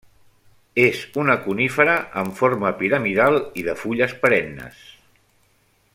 És una conífera amb forma piramidal i de fulles perennes.